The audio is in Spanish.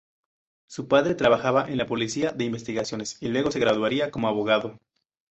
Su padre trabajaba en la Policía de Investigaciones, y luego se graduaría como abogado.